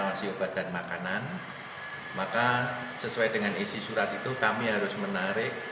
mengawasi obat dan makanan maka sesuai dengan isi surat itu kami harus menarik